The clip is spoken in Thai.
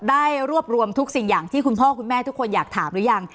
ได้รวบรวมทุกสิ่งอย่างที่คุณพ่อคุณแม่ทุกคนอยากถามหรือยัง